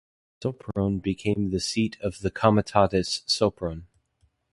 Sopron became the seat of the comitatus Sopron.